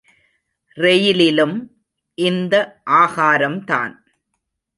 ரெயிலிலும் இந்த ஆகாரம்தான்.